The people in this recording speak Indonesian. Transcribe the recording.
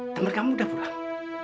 teman kamu udah pulang